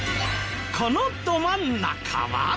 このど真ん中は。